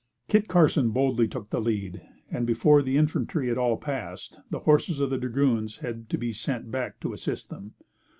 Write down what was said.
Kit Carson boldly took the lead, and before the infantry had all passed, the horses of the dragoons had to be sent back to assist them.